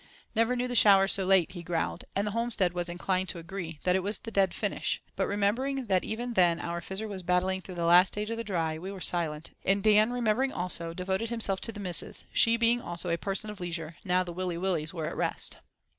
"Never knew the showers so late," he growled; and the homestead was inclined to agree that it was the "dead finish"; but remembering that even then our Fizzer was battling through that last stage of the Dry, we were silent, and Dan remembering also, devoted himself to the "missus," she being also a person of leisure now the Willy Willys were at rest.